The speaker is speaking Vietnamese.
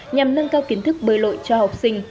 nhằm nâng cao kiến thức bơi lội cho học sinh